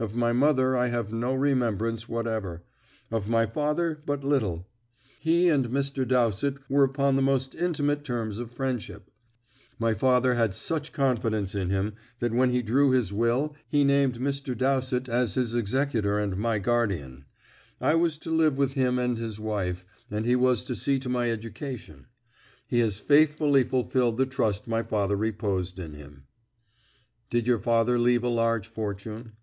Of my mother I have no remembrance whatever; of my father, but little. He and Mr. Dowsett were upon the most intimate terms of friendship; my father had such confidence in him that when he drew his will he named Mr. Dowsett as his executor and my guardian. I was to live with him and his wife, and he was to see to my education. He has faithfully fulfilled the trust my father reposed in him." "Did your father leave a large fortune?"